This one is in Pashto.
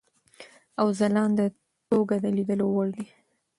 او ځلانده توګه د لیدلو وړ دی.